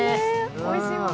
おいしいもの